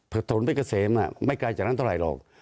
ผลไปเกษมน่ะไม่ไกลจากนั้นเท่าไหร่หรอก